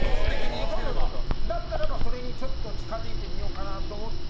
だったらば、それにちょっと近づいてみようかなと思って